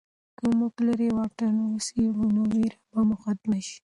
که موږ لیرې واټن وڅېړو نو ویره به مو ختمه شي.